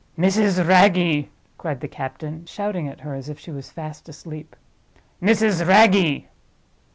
"Mrs. Wragge!" cried the captain, shouting at her as if she was fast asleep. "Mrs. Wragge!"